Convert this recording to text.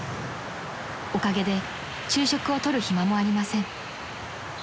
［おかげで昼食をとる暇もありません］